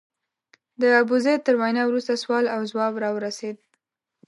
د ابوزید تر وینا وروسته سوال او ځواب راورسېد.